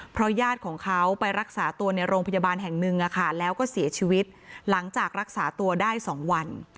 เพราะญาติของเขาไปรักษาตัวในโรงพยาบาลแห่งหนึ่งแล้วก็เสียชีวิตหลังจากรักษาตัวได้๒วัน